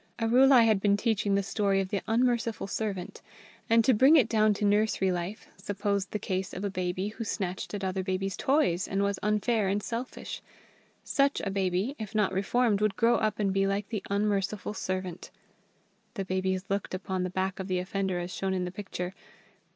Arulai had been teaching the story of the Unmerciful Servant; and to bring it down to nursery life, supposed the case of a baby who snatched at other babies' toys, and was unfair and selfish. Such a baby, if not reformed, would grow up and be like the Unmerciful Servant. The babies looked upon the back of the offender as shown in the picture.